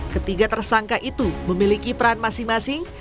ketiga tersangka itu memiliki peran masing masing